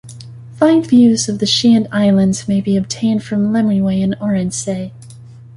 Fine views of the Shiant Islands may be obtained from Lemreway and Orinsay.